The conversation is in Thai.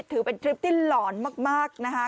ถือเป็นทริปที่หลอนมากนะคะ